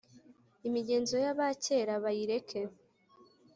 imigenzo y’abakera bayireke